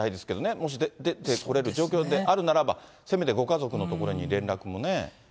もし出てこれる状況であるならば、せめてご家族の所に連絡もね。